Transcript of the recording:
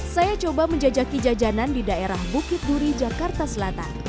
saya coba menjajaki jajanan di daerah bukit duri jakarta selatan